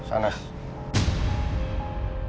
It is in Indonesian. biasanya undangan cuma buat orang tua